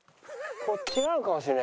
あっこうかもしれない。